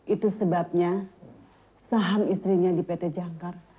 itu sebabnya saham istrinya di pt jangkar